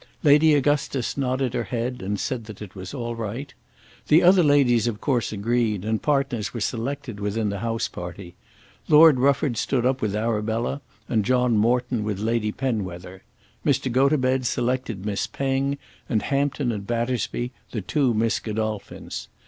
Lady Augustus nodded her head and said that it was all right. The other ladies of course agreed, and partners were selected within the house party. Lord Rufford stood up with Arabella and John Morton with Lady Penwether. Mr. Gotobed selected Miss Penge, and Hampton and Battersby the two Miss Godolphins.